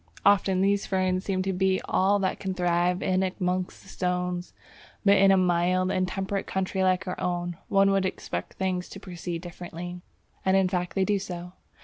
Often these ferns seem to be all that can thrive in amongst the stones. But in a mild and temperate country like our own, one would expect things to proceed differently. And in fact they do so.